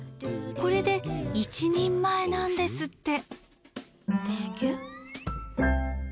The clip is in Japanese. これで１人前なんですって。